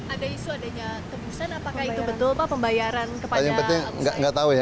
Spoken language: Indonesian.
ada isu adanya tebusan apakah itu betul pak pembayaran kepada abu sayyaf